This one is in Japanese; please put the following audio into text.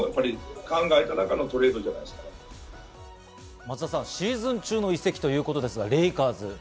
松田さん、シーズン中の移籍ということですが、レイカーズ。